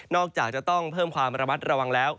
จากจะต้องเพิ่มความระมัดระวังแล้ว